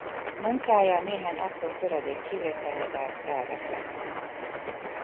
Munkája néhány apró töredék kivételével elveszett.